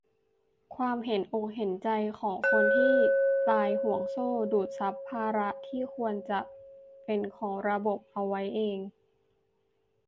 ความเห็นอกเห็นใจกันของคนที่ปลายห่วงโซ่ ดูดซับภาระที่ควรจะต้องเป็นของระบบเอาไว้เอง